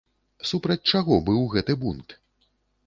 Супраць чаго быў гэты бунт?